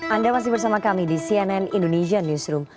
anda masih bersama kami di cnn indonesia newsroom